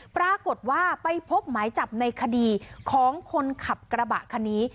ปรากฏว่าไปพบหมายจับในคดีของคนขับกระบะคันนี้